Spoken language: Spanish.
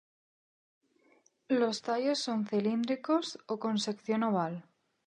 Los tallos son cilíndricos o con sección oval.